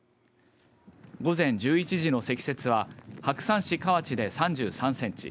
午前１１時の積雪は白山市河内で３３センチ